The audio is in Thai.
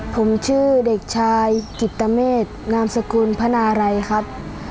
ผมชื่อเด็กชายกิตเตอร์เมศงามสกุลพนาไรครับ